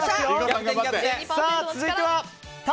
続いては縦！